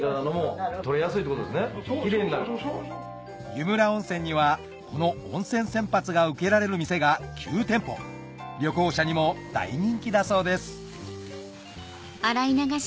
湯村温泉にはこの温泉洗髪が受けられる店が９店舗旅行者にも大人気だそうです